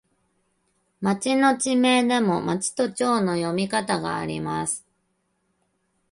町の地名でも、まちとちょうの読み方があります。